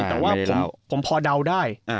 แต่ว่าผมพอเดาได้